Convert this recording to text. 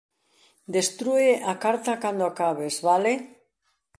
Destrúe a carta cando acabes, vale?